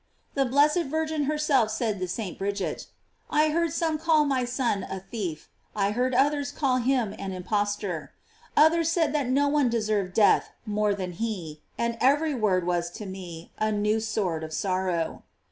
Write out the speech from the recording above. || The blessed Virgin herself said to St. Bridget: "I heard some call my Son a thief; I heard others call him an impostor; others said that no one de served death more than he; and every word was to me a new sword of sorrow.